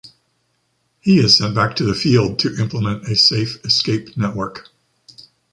He is sent back to the field to implement a safe escape network.